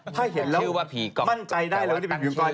ถ้าเห็นแล้วมั่นใจได้เลยว่ามันเป็นผีกองก้อย